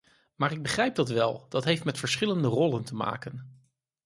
Maar ik begrijp dat wel, dat heeft met onze verschillende rollen te maken.